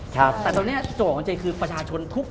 แต่ตอนนี้จุดกออกของเจย์คือประชาชนทุกคน